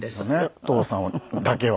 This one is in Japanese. お父さんだけは。